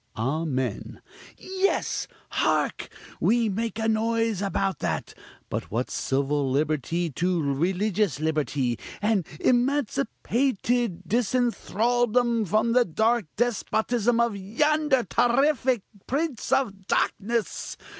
(Amen) Yes! hark! we make a noise about that! But what's civil liberty to religious liberty, and emancipated disenthraldom from the dark despotism of yonder terrific prince of darkness!